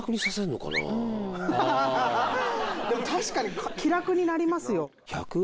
ハハハでも確かに気楽になりますよ。